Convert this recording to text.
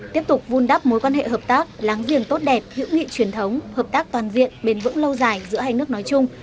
tiếp tục vun đắp mối quan hệ hợp tác láng giềng tốt đẹp hữu nghị truyền thống hợp tác toàn diện bền vững lâu dài giữa hai nước nói chung